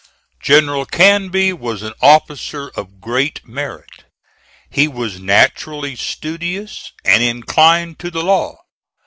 General Canby was an officer of great merit. He was naturally studious, and inclined to the law.